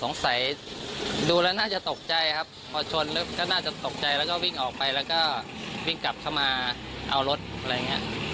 สงสัยดูแล้วน่าจะตกใจครับพอชนแล้วก็น่าจะตกใจแล้วก็วิ่งออกไปแล้วก็วิ่งกลับเข้ามาเอารถอะไรอย่างนี้